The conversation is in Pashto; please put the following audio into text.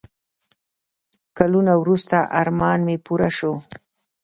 کلونه وروسته ارمان مې پوره شو.